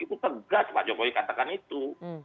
itu tegas pak jokowi katakan itu